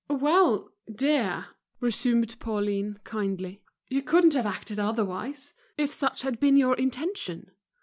"Well, dear," resumed Pauline, kindly, "you couldn't have acted otherwise, if such had been your intention.